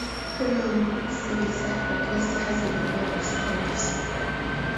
现任波斯尼亚和黑塞哥维那主席团主席。